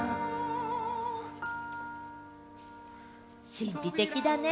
神秘的だね。